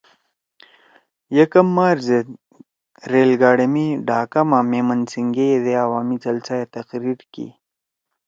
یکم مارچ زید ریل گاڑے می ڈھاکہ ما میمن سنگھ گے یِدے عوامی جلسہ ئے تقریر کی